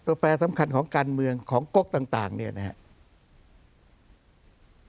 แปรสำคัญของการเมืองของก๊กต่างเนี่ยนะครับ